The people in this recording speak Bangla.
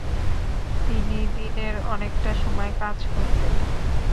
তিনি দিনের অনেকটা সময় কাজ করতেন।